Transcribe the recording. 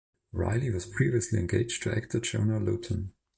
Reilly was previously engaged to actor Jonah Lotan.